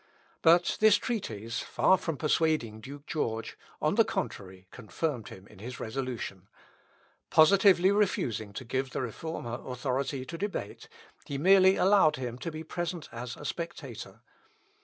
But this treatise, far from persuading Duke George, on the contrary, confirmed him in his resolution. Positively refusing to give the Reformer authority to debate, he merely allowed him to be present as a spectator.